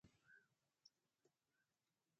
سر مې داسې و لکه پښه چې بېده وي، خو تکلیف یې نه کاوه.